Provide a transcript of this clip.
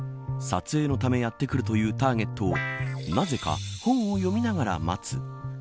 撮影のためやって来るというターゲットをなぜか、本を読みながら待つ。